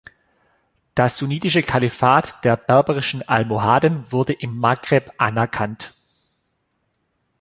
Das sunnitische Kalifat der berberischen Almohaden wurde im Maghreb anerkannt.